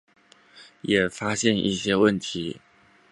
也发现一些问题